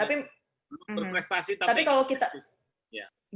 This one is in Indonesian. tapi banyak yang belum berprestasi tapi ingin prestis